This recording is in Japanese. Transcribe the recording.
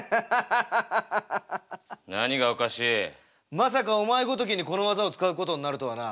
まさかお前ごときにこの技を使うことになるとはな。